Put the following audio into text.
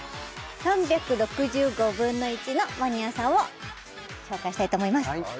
１／３６５のマニアさん」を紹介したいと思います